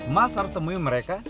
mas harus temuin mereka